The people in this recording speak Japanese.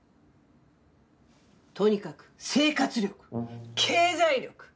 とにかく生活力経済力包容力！